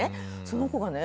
その子がね